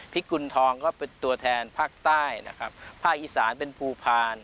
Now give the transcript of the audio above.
ภิกรุณทองก็เป็นตัวแทนภาคใต้ภาคอีสานเป็นภูพาน